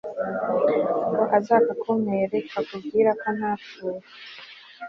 ngo azakakumpere kakubwira ko ntapfuye